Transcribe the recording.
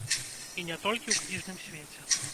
І не толькі ў кніжным свеце.